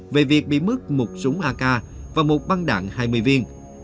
về việc bị mất một súng ak và một băng đạn hai mươi viên